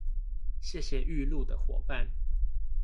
感謝預錄的夥伴